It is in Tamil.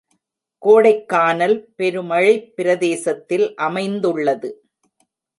கோடைக்கானல் பெருமழைப் பிரதேசத்தில் அமைந்துள்ளது.